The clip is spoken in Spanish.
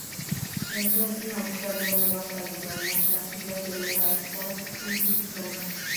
Se encuentra en Australia, Nueva Caledonia las Islas de la Lealtad, Fiyi y Tonga.